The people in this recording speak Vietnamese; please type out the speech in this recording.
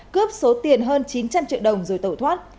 cướp số tiền hơn chín trăm linh triệu đồng rồi tẩu thoát